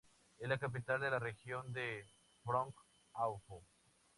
Es la capital de la región de Brong-Ahafo.